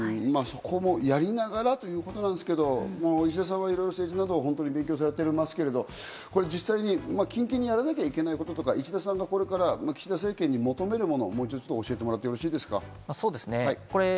そこもやりながらということなんですけれど、石田さんは政治などを勉強されてますけど、実際に緊急にやらなきゃいけないこと、石田さんがこれから岸田政権に求めるものを教えてもらってよろしいですか？